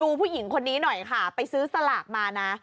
ผู้หญิงคนนี้หน่อยค่ะไปซื้อสลากมานะ